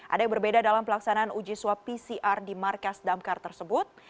ada yang berbeda dalam pelaksanaan uji swab pcr di markas damkar tersebut